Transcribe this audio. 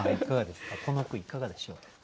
この句いかがでしょう？